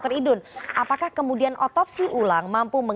tapi mulai diulang